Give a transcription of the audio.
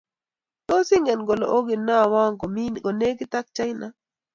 tos ingen kole okinawa komi konegit ak china ?